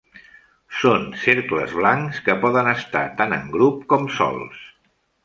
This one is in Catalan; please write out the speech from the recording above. Són cercles blancs que poden estar tant en grup com sols.